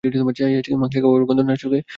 মাংসের কাবাবের গন্ধ না শুকে পারছি না।